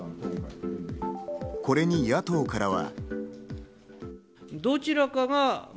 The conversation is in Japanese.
これに野党からは。